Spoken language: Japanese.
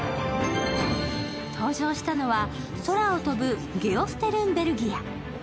登場したのは空を飛ぶゲオステルンベルギア。